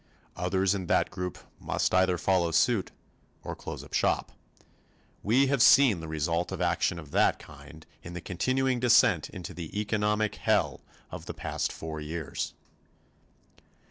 Others in that group must either follow suit or close up shop. We have seen the result of action of that kind in the continuing descent into the economic Hell of the past four years.